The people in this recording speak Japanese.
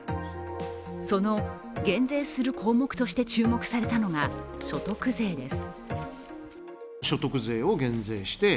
その減税する項目として注目されたのが所得税です。